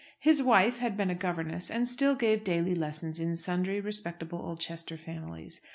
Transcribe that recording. His wife had been a governess, and still gave daily lessons in sundry respectable Oldchester families.